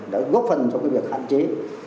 đã góp phần trong việc hạn chế